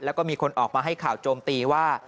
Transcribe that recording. แล้วก็มีคนออกมาให้ข่าวโจมตีว่า